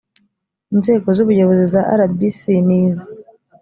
inzego z’ubuyobozi za rbc ni izi